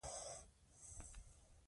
ملالۍ د ښځو لپاره بېلګه سوه.